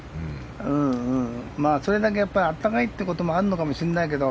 それだけ暖かいということもあるのかもしれないけど